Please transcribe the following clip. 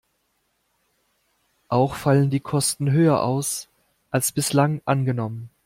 Auch fallen die Kosten höher aus, als bislang angenommen.